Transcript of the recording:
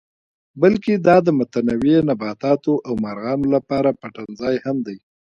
بلکې دا د متنوع نباتاتو او مارغانو لپاره پټنځای هم دی.